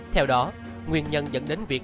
theo đó nguyên nhân dẫn đến việc